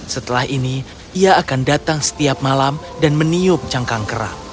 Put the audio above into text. setelah ini ia akan datang setiap malam dan meniup cangkang kerang